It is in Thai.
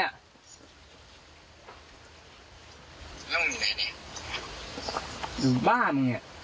อยู่บ้าน